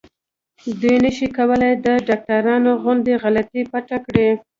دوی نشي کولای د ډاکټرانو غوندې غلطي پټه کړي.